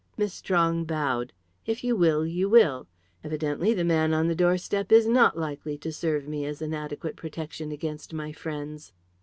Miss Strong bowed. "If you will, you will. Evidently the man on the doorstep is not likely to serve me as an adequate protection against my friends."